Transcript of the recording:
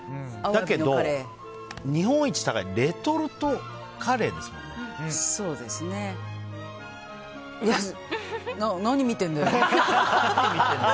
だけど、日本一高いレトルトカレーですもんね。何見てんだよ。